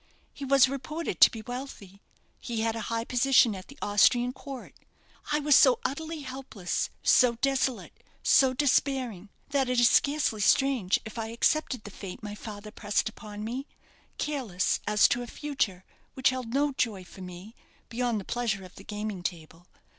He was reported to be wealthy; he had a high position at the Austrian Court. I was so utterly helpless, so desolate, so despairing, that it is scarcely strange if I accepted the fate my father pressed upon me, careless as to a future which held no joy for me, beyond the pleasure of the gaming table.